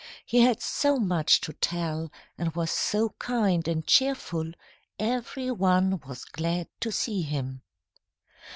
He had so much to tell and was so kind and cheerful, every one was glad to see him.